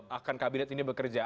bahkan kabinet ini bekerja